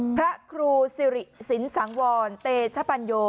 พระครูสิริสินสังวรเตชปัญโย